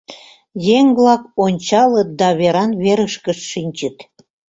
Еҥ-влак ончалыт да веран-верышкышт шинчыт.